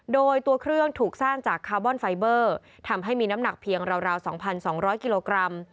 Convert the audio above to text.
โดยตัวเครื่องถูกสร้างจากคาร์บอนไฟเบอร์ทำให้มีน้ำหนักเพียงราว๒๒๐๐กิโลกรัม